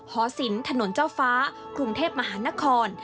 หอศิลป์ถนนเจ้าฟ้ากรุงเทพมหานคร